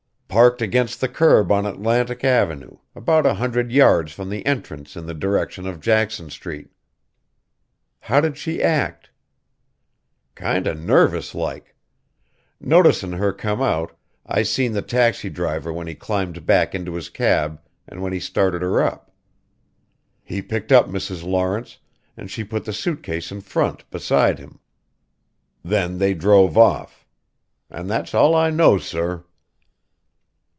"Parked against the curb on Atlantic Avenue about a hundred yards from the entrance in the direction of Jackson street." "How did she act?" "Kinder nervous like. Noticin' her come out I seen the taxi driver when he climbed back into his cab an' when he started her up. He picked up Mrs. Lawrence an' she put the suit case in front beside him. Then they drove off. And that's all I know sir."